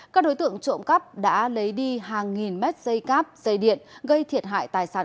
các đối tượng trộm cắp đã lấy đi hàng nghìn mét dây cáp dây điện gây thiệt hại tài sản